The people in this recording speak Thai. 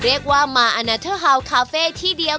เรียกว่ามาอันตราฮาลคาเฟ่ที่เดียว